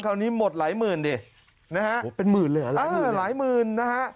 คราวนี้หมดหลายหมื่นดินะฮะเป็นหมื่นเลยหรอหลายหมื่นนะฮะ